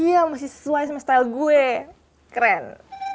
nah ini dia masih sesuai sama style gue keren